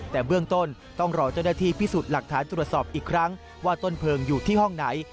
แต่เบื้องต้นต้องรอเจ้าหน้าที่พิสูจน์หลักฐานตรวจสอบอีกครั้งว่าต้นเพลิงอยู่ที่ห้องไหน